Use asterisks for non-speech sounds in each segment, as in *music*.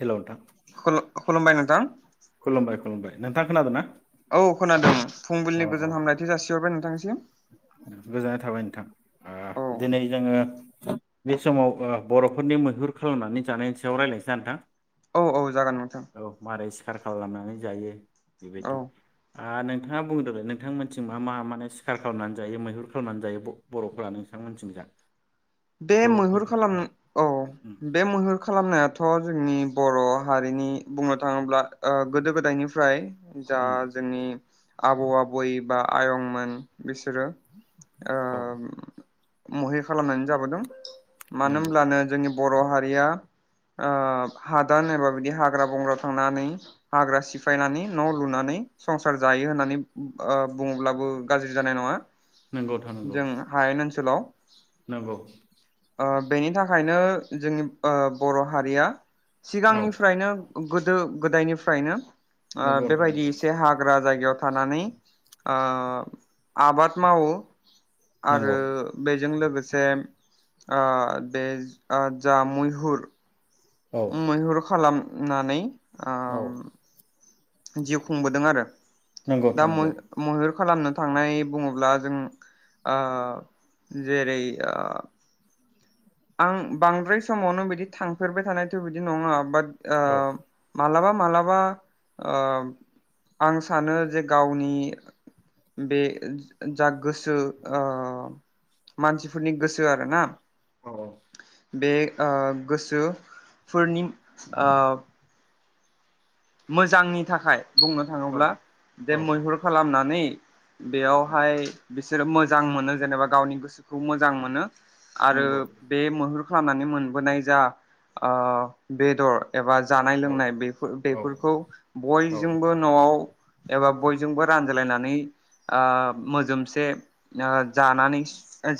Hello नोंथां खुलुमबाय नोंथां खुलुमबाय खुलुमबाय नोंथाङा खोनादों ना औ खोनादों अ फुंबिलिनि अ गोजोन हामलायथि जासि हरबाय नोंथांसिम गोजोननाय थाबाय नोंथां ओ औ दिनै जोङो बे समाव बर'फोरनि मैहुर खालामनानै जानायनि सायाव रायज्लायनोसैना औ औ जागोन नोंथां नोंथां औ मारै सिखार खालामनानै जायो औ बेबायदि आ नोंथाङा बुंदोंलै नोंथांमोनथिं मा मा माने सै खार खालामनानै जायो मैहुर खालामनानै जायो बर'फोरा नोंथांमोनथिं जा बे बेखौ मैहुर खोन्था खालाम औ उम बे मैहुर खालामनायाथ' जोंनि बर' हारिनि बुंनो थाङोब्ला ओ गोदो गोदायनिफ्राय जा उम जोंनि आबौ आबै बा आयंमोन बिस सोरो आ औ महि खालामनायनि जाबोदों मानो नंगौ होनब्लानो जोंनि बर' हारिया ओ हादान एबा बिदि हाग्रा बंग्रा थांनानै हाग्रा सिफायनानै न' लुनानै संसार जायो होननानै ओ बुङोब्लाबो गाज्रि जानाय नङा नंगौ नोंथां नंगौ जों हायेन ओनसोलाव नंगौ ओ बेनि थाखायनो जोंनि ओ बर' हारिया औ सिगांनिफ्रायनो गोदो गोदायनिफ्रायनो ओ नंगौ नोंथां बेबायदि नंगौ एसे हाग्रा जायग याव थानानै ओ आबाद मावो नंगौ आरो बेजों लोगो सेम आ बे ओ जा मैहुर औ ओम मैहुर खालाम नानै औ आम जिउ खुंबोदों आरो नंगौ दा नोंथां मै नंगौ मैहुर खालामनो थांनाय बुङोब्ला जों ओ जेरै आं बांद्राय समावनो बिदि थांफेरबाय थानायथ' बिदि नङा बाट आ औ मालाबा मालाबा ओ आं सानो जे गावनि बे जा गोसो ओ मानसिफोरनि गोसो आरोना अ बे ओ गोसोफोरनि ओ मोजांनि थाखाय बुंनो थाङोब्ला औ औ दे मैहुर खालामनानै *inaudible* बेयावहाय बिसोरो मोजां मोनो जेनेबा गावनि गोसोखौ मोजां मोनो आरो नंगौ बे मैहुर खालामनानै मोनबोनाय जा ओ बेदर एबा जानाय औ लोंनाय बेफोर बे फोरखौ औ बयजोंबो न'आव एबा बयजोंबो रानज्लायनानै ओ मोजोमसे ओ जानानै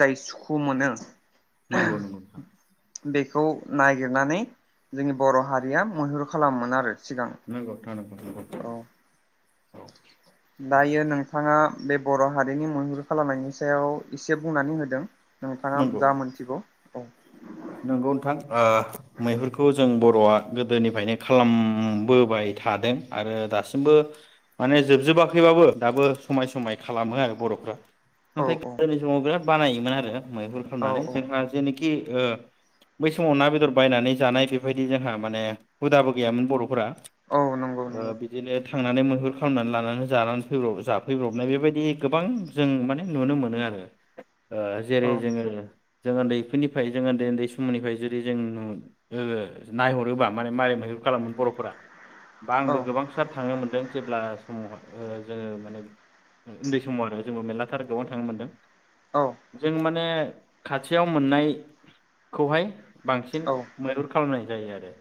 जाय सुखु मोनो नंगौ नंगौ बेखौ नागिरनानै जोंनि बर' हारिया मैहुर खालामोमोन आरो सिगां नंगौ नोंथां नंगौ नंगौ औ औ दायो नोंथाङा बे बर' हारिनि मैहुर खालामनायनि सायाव एसे बुंनानै होदों नंगौ नोंथाङा जा मोनथिगौ औ नंगौ नोंथां ओ मैहुरखौ जों बर'आ गोदोनिफ्रायनो खालामबोबाय थादों आरो दासिमबो माने जोबजोबाखैबाबो दाबो समाय समाय खालामो आरो बर'फ्रा नाथाय औ गोदोनि समाव बिराद बानायोमोन आरो मैहुर औ खालामनानै जोंहा जेनिखि ओ बै समाव ना बेदर बायनानै जानाय बेबायदि जोंहा माने हुदाबो गैयामोन बर'फोरा औ नंगौ ओ नंगौ बिदिनो थांनानै मैहुर खालामनानै लानानै जानानै फै जाफैब्रबनाय बेबायदि गोबां जों माने नुनो मोनो आरो ओ जेरै औ जोङो जोंङो उन्दैफोरनिफ्राय जों उन्दै उन्दै बे समनिफ्राय जुदि जों ओ नायहरोबा माने मालाय महबो खालामोमोन बर'फोरा बा आंबो औ गोबां सार थांनो मोनदों जेब्ला समाव ओ जोङो माने उन्दै समाव आरो जोंबो मेरलाथार गोबनो थांनो मोनदों औ जों माने खाथियाव मोननाय खौहाय बांसिन औ मैहुर खालामनाय जायो आरो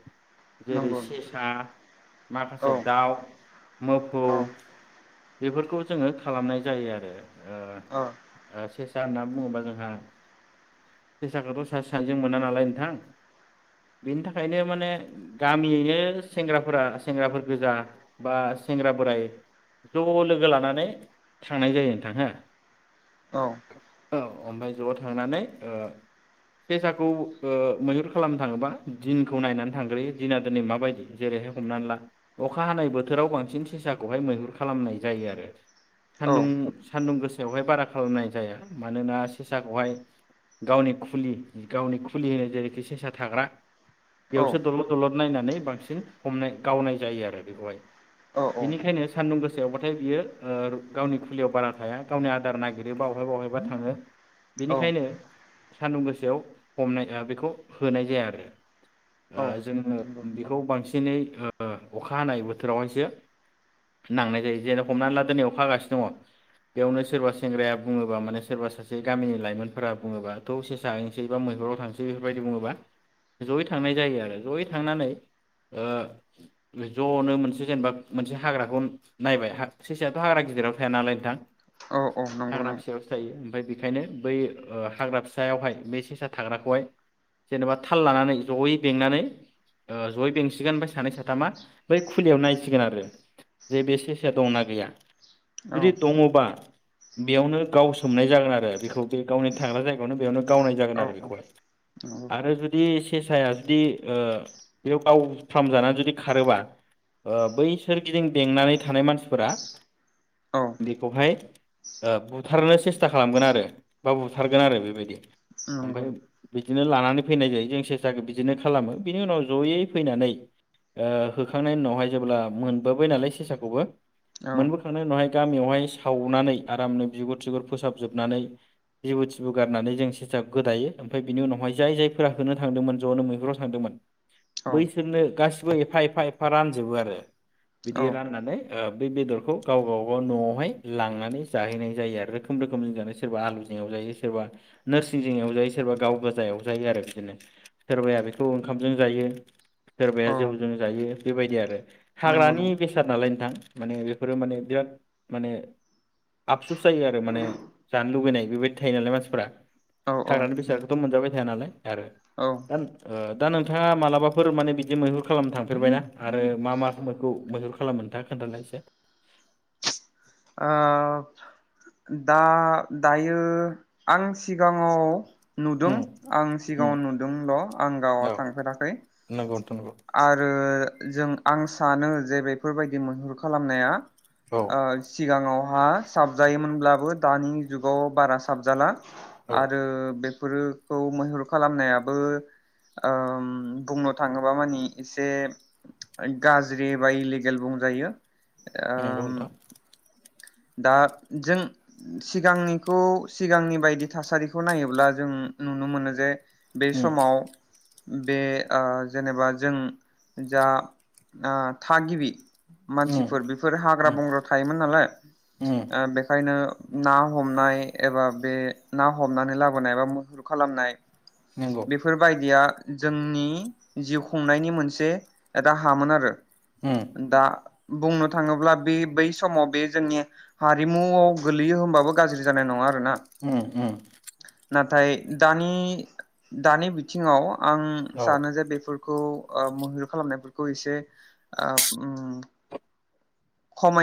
जेरै नंगौ सेसा माखासे औ दाउ मोफौ औ बेफोरखौ जोङो खालामनाय जायो आरो ओ सा होनना बुङोबा जोंहा फेसाखौथ' सास सानजों मोना नालाय नोंथां बिनि थाखायनो माने गामियैनो सेंग्राफोरा सेंग्राफोर गोजा बा सेंग्रा बोराय ज' लोगो लानानै थांनाय जायो नोंथां हो औ औ ओमफाय ज' थांनानै ओ सेसाखौ ओ मैहुर खालामनो थाङोबा दिनखौ नायनानै थांग्रोयो दिना दिनै माबायदि जेरैहाय हमनानै ला अखा हानाय बोथोराव बांसिन सेसाखौहाय मैहुर खालामनाय जायो आरो औ सान्दुं सान्दुं गोस सायावहाय बारा खालामनाय जाया मानोना सेसाखौहाय गावनि खुलि गावनि खुलि होनो जेरैखि सेसा थाग्रा यावसो औ दल' दलद नायनानै बांसिन हमनाय गावनाय जायो आरो बेखौहाय औ बिनिखायनो सान्दुं गोसायावबाथाय बियो ओ गावनि खुलियाव बारा थाया गावनि आदार नागिरो बावहाय बावहायबा थाङो बिनिखायनो सान्दुं गोसायाव हमनाय ओ बेखौ होनाय जाया आरो ओ औ जोङो नंगौ बिखौ बांसिनै ओ अखा हानाय बोथोरावहायसो नांनाय जायो जेन' हमनानै ला दोनै अखा हागासिनो दङ बेयावनो सोरबा सेंग्राया बुङोबा माने सोरबा सासे गामिनि लाइमोनफोरा बुङोबा थ' सेसा होय सै बा मैहुराव थांसै बेफोरबायदि बुङोबा जयै थांनाय जायो आरो जयै थांनानै ओ ज'नो मोनसे जेनबा मोनसे हाग्राखौ नायबाय हा सेसायाथ' हाग्रा गिदिराव थाया नालाय नोंथां औ औ नंगौ हाग्रा नंगौ फिसायावसो थायो ओमफाय बि खायनो बै ओ हाग्रा फिसायावहाय बै सेसा थाग्राखौहाय जेनबा थाल लानानै जयै बेंनानै ओ जयै बेंसिगोन ओमफ्राय सानै साथामा बै खुलियाव नायसिगोन आरो जे बे सेसाया दंना गैया औ जुदि दङबा बेयावनो गावसोमनाय जागोन आरो बेखौ बे गावनि थाग्रा जायगायावनो बेयावनो गावनाय औ जागोन आर रो औ बेखौहाय नंगौ आरो जुदि सेसाया जुदि ओ बेयाव गाव फ्रामजानानै जुदि खारोबा ओ बै सोरगिदिं बेंनानै थानाय मानसिफोरा औ बेखौहाय ओ बुथारनो सेस्था खालामगोन आरो बा बुथारगोन आरो बेबायदि नंगौ ओमफाय बिदिनो लानानै फैनाय जायो जों सेसाखो बिदिनो खालामो बिनि उनाव जयै फैनानै ओ होखांनायनि उनावहाय जेब्ला मोनबोबाय नालाय सेसाखौबो औ मोनबोखांनाय उनावहाय गामियावहाय सावनानै आरामनो बिगुर थिगुर फोसाबजोबनानै जिबु थिबु गारनानै जों सेसा गोदायो ओमफाय बिनि उनावहाय जाय जायफोरा होनो थांदोंमोन ज'नो मैहुराव थांदोंमोन औ बैसोरनो गास बो एफा एफा एफा रानजोबो आरो बिदि राननानै ओ बे बेदरखौ गावगा बागाव न'आवहाय लांनानै जाहैनाय जायो आरो रोखोम रोखोम जों जानाय सोरबा आलुजों एवजायो सोरबा नोरस सिं जों एवजायो सोरबा गाव गोाजा एवजायो आरो बिदिनो सोरबाया बेखौ ओंखामजों जायो सोरबाया औ जौजों जायो बेबायदि आर नंगौ हाग्रानि नंगौ बेसाद नालाय नोंथां माने बेफोरो माने बिराद माने आफसुस जायो आरो माने जानो लुबैनाय बेबायदि थायो नालाय मानसिफोरा औ औ हाग्रानि बेसादखौथ' नंगौ मोनजाबाय थाया नालाय आरो दा दा नोंथाङा मालाबाफोर माने बिदि मैहुर खालामनो थांफेरबायना आरो मा माखौ मैहुर खालामो नोंथाङा खोन्थालाय एसे ओ दा दायो आं सिगाङाव नुदों उम आं उम सिगाङाव नुदोंल' आं गावआ औ थांफेराखै नंगौ नोंथां नंगौ आरो जों आं सानो जे बेफोरबायदि मैहुर खालामनाया औ ओ सिगाङाव हा साबजायोमोनब्लाबो दानि जुगाव बारा साबजाला औ आरो बे मैहुर खालामनायाबो ओ बुंनो थाङो माबा मानि एसे गाज्रि बा इलिगेल बुंजायो आ नंगौ नोंथां दा जों सिगांनिखौ सिगांनि बायदि थासारिखौ नायोब्ला जों नुनो मोनो जे बे उम समाव बे ओ जेनेबा जों जा ओ थागिबि उम मानसिफोर बेफोर हाग्रा उम बंग्रा थायोमोन नालाय उम बेखायनो ना हमनाय एबा बे ना हमनानै लाबोनाय एबा मुहुर खालामनाय नंगौ बेफोरबायदिया जोंनि जिउ खुंनायनि मोनसे राहामोन आरो उम दा बुंनो थाङोब्ला बे बै समाव बे जोंनि हारिमुआव गोलैयो होनबाबो गाज्रि जानाय नङा। ना उम उम नाथाय दानि दानि बिथिङाव आं औ सानो जे बे फोर मैहुर खालामनायफोरखौ ओ एसे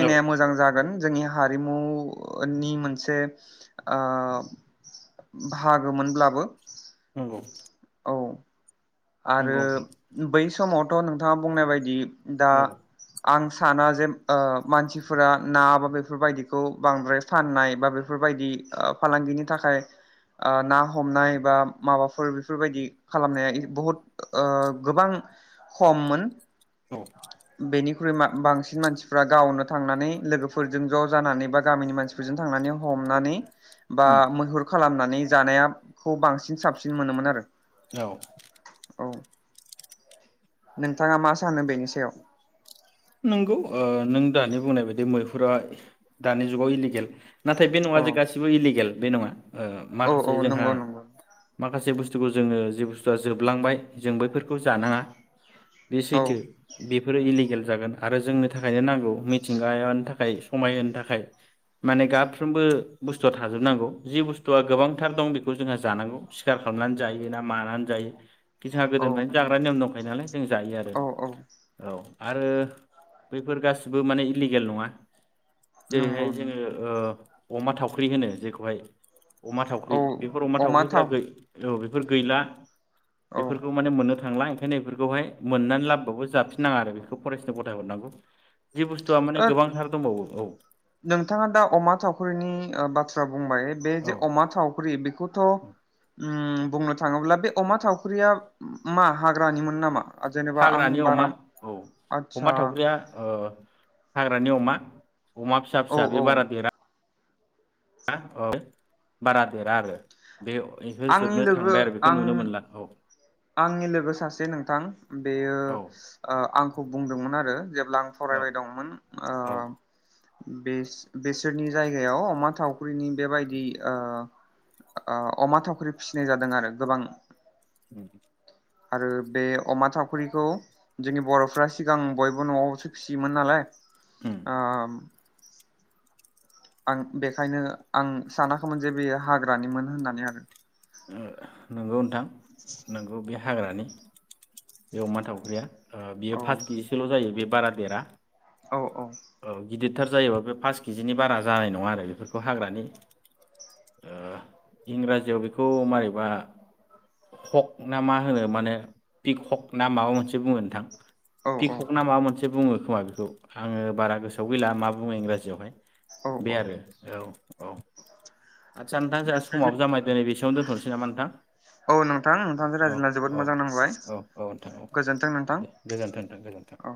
औ मोजां जागोन। जोंनि हारिमुनि मोनसे ओ बाहागोमोनब्लाबो नंगौ औ आरो नंगौ नोंथां बै समावथ' नोंथाङा बुंनाय बायदि दा औ आं साना ओ जे मानसिफोरा ना बा बेफोरबायदिखौ बांद्राय फाननाय बा बेफोरबायदि ओ फालांगिनि थाखाय ओ ना हमनाय बा माबाफोर बेफोरबायदि खालामनाया बहुद ओ गोबां खमोन औ बेनि ख्रुइ बा-बांसिन मानसिफ्रा गावनो थांनानै लोगोफोरजों ज' जानानै बा गामिनि मानसिफोरजों थांनानै हमनानै बा उम मैहुर खालामनानै नै जानाया खौ बांसिन साबसिन मोनोमोन आरो। औ औ नोंथाङा मा सानो बेनि सायाव नंगौ ओ नों दानि बुंनाय बायदि मैहुरा दानि जुगाव इलिगेल नाथाय बे औ न'आ जे गासिबो इलिगेल बे नङा ओ औ माखासे औ जोंहा नंगौ नंगौ माखासे बस्थु जे बुस्थुखौ जोङो जे बस्थुआ जोबलांबाय जों बैफोरखौ जानाङा बे औ सैथो बेफोरो इलिगेल जोन आरो जोंनि थाखायनो नांगौ मिथिंगानि थाखाय समाय होनो थाखाय माने गाफ्रोमबो बुस्थुआ थाजोबनांगौ जि बुस्थुआ गोबांथार दं बेखौ जोंहा जानांगौ सिखार खालामनानै जायो ना मानानै जायो। जोंहा औ गोदोनिफ्राय जाग्रा नियम दंखौ खायो नालाय जों जायो आरो औ औ औ आरो बैफोर गासिबो माने इलिगेल नङा नंगौ जेरैहाय नंगौ जोङो अमा थावख्रि होनो जेखौहाय अमा औ थावख्रि बेफोर अमा थावख्रिफ्रा गै औ बेफोर गैला औ बेफोरखौ माने मोननो थांला ओंखायनो बेफोरखौहाय मोननानै लाबाबो जाफिननाङा आरो बेखौ फरेसनो गथायहरनांगौ जि बुस्थुआ माने ओ गोबांथार दंबावो औ नोंथाङा दा अमा थावख्रिनि ओ बाथ्रा बुंबाय बे जे औ अमा थावख्रि बेखौथ' उम बुंनो थाङोब्ला बे अमा थावख्रिया मा हाग्रानिमोन नामा जेनेबा आं हाग्रानि बारा अमा औ आदसा अमा थावख्रिया ओ हा ग्रानि अमा अमा फिसा औ फिसा औ बे बारा देरा हा औ बारा देरा आरो बे बेफोर आंनि जोबनो लोगो थांबाय आरो बेखौ आं नुनो मोनला औ आंनि लोगो सासे नोंथां बेयो औ ओ आं खौ बुंदोंमोन आरो जेब्ला आं फरायबाय दंमोन औ ओ बे बेसोरनि जायगायाव अमा थावख्रिनि बेबायदि ओ ओ अमा थावख्रि फिसिनाय जादों आरो गोबां उम आरो बे अमा थावख्रिखौ जोंनि बर'फ्रा सिगां बयबो न'आवसो फिसियोमोन नालाय उम ओ आं बेखायनो आं सानाखैमोन जे बेयो हाग्रानिमोन होननानै आं ओ नंगौ नोंथां नंगौ बे हाग्रानि बे अमा थावख्रिया ओ बियो औ फास केजिसोल' जायो बे बारा देरा औ औ गिदिरथार जायोबा बे पास केजिनि बारा जानाय नङा आरो बेफोरखौ हाग्रानि ओ इंराजियाव बेखौ मारैबा हक ना मा होनो माने पिक हक ना माबा मोनसे बुङो नोंथां औ पि हक ना औ माबा मोन से बुङो खोमा बेखौ आङो बारा गोसोआव गैला मा बुङो इंराजियावहाय औ बे औ आरो औ औ आदसा नोंथां जोंहा समाव जामाय दिनै बेसेयावनो दोन्थ'नोसै नामा नोंथां औ नोंथां नोंथांजों औ रायज्लायना जोबोद औ मोजां नांबाय औ औ नोंथां औ गोजोन्थों नोंथां दे गोजोनथों नोंथां गोजोनथों औ